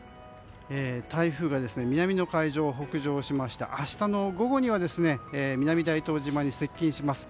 台風が南の海上を北上しまして明日の午後には南大東島に接近します。